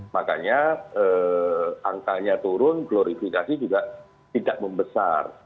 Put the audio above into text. makanya angkanya turun glorifikasi juga tidak membesar